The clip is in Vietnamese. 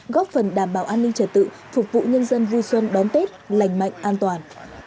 góp phần đảm bảo an ninh trật tự phục vụ nhân dân vui xuân đón tết lành mạnh an toàn